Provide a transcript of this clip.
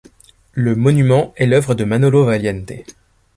Le monument est l'œuvre de Manolo Valiente.